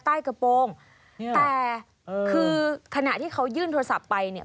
ใต้กระโปรงแต่คือขณะที่เขายื่นโทรศัพท์ไปเนี่ย